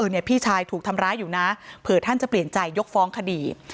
พี่ชายถูกทำร้ายอยู่นะเผื่อท่านจะเปลี่ยนใจยกฟ้องคดี